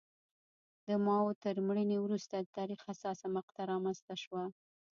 د ماوو تر مړینې وروسته د تاریخ حساسه مقطعه رامنځته شوه.